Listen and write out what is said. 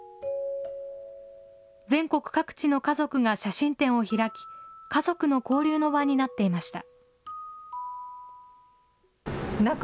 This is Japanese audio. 全国各地の家族が写真展を開き、家族の交流の場になっていました。